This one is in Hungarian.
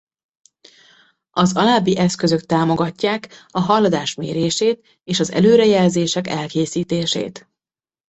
Az alábbi eszközök támogatják a haladás mérését és az előrejelzések elkészítését.